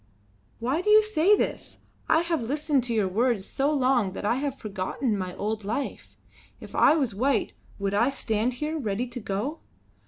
"Why do you say this? I have listened to your words so long that I have forgotten my old life. If I was white would I stand here, ready to go?